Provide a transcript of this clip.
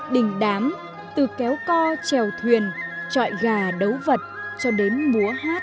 đình đám từ kéo co trèo thuyền trọi gà đấu vật cho đến múa hát